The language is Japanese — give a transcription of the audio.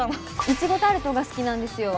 イチゴタルトが好きなんですよ。